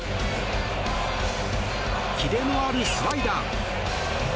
キレのあるスライダー。